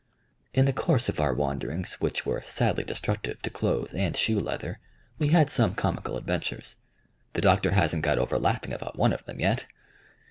In the course of our wanderings, which were sadly destructive to clothes and shoe leather, we had some comical adventures. The Doctor hasn't got over laughing about one of them yet.